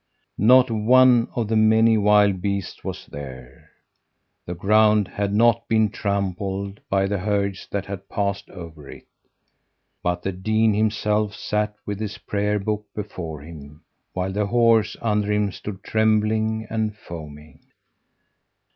Not one of the many wild beasts was there. The ground had not been trampled by the herds that had passed over it; but the dean himself sat with his Prayer book before him, while the horse under him stood trembling and foaming.